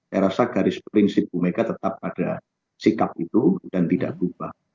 saya rasa garis prinsip bumega tetap ada sikap itu dan tidak berubah